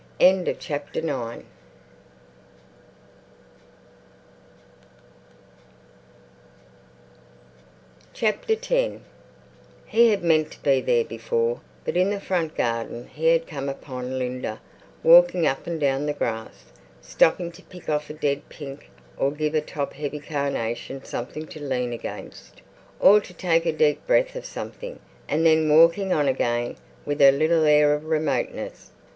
X He had meant to be there before, but in the front garden he had come upon Linda walking up and down the grass, stopping to pick off a dead pink or give a top heavy carnation something to lean against, or to take a deep breath of something, and then walking on again, with her little air of remoteness.